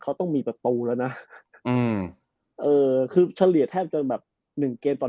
เขาต้องมีประตูแล้วนะอืมเอ่อคือเฉลี่ยแทบจนแบบหนึ่งเกมตอน